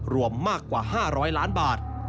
รวมมากกว่า๕๐๐ล้านบาท